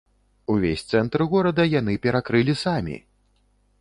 Увесь цэнтр горада яны перакрылі самі!